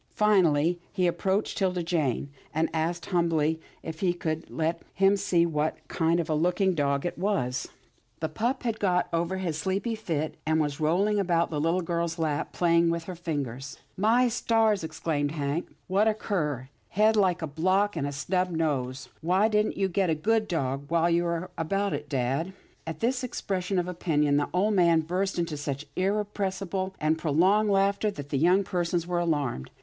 Finally he approached 'Tilda Jane, and asked humbly, if she would let him see what kind of a looking dog it was. 108 'TILDA JANE'S ORPHANS The pup had got over his sleepy fit, and was rolling about the little girl's lap, playing with her fingers. " My stars !" exclaimed Hank, " what a cur. Head like a block, and a snub nose. Why didn't you get a good dog, while you were about it, dad ?" At this expression of opinion, the old man burst into such irrepressible and prolonged laughter that the young persons were alarmed.